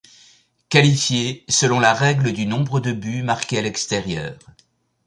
Qualifié selon la règle du nombre de buts marqués à l'extérieur.